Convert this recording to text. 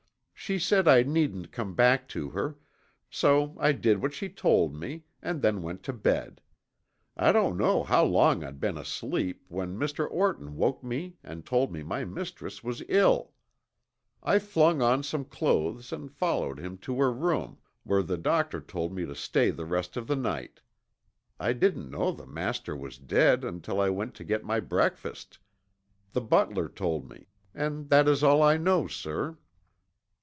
She said I needn't come back to her, so I did what she told me and then went to bed. I don't know how long I'd been asleep when Mr. Orton woke me and told me my mistress was ill. I flung on some clothes and followed him to her room, where the doctor told me to stay the rest of the night. I didn't know the master was dead until I went to get my breakfast. The butler told me, and that is all I know, sir."